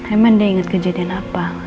emang dia ingat kejadian apa